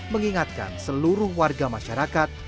mengingatkan seluruh warga masyarakat